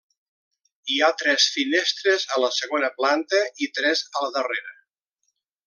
Hi ha tres finestres a la segona planta, i tres a la darrera.